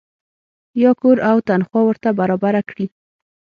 یا کور او تنخوا ورته برابره کړي.